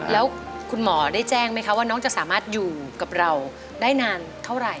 แล้วคุณหมอได้แจ้งไหมคะว่าน้องจะสามารถอยู่กับเราได้นานเท่าไหร่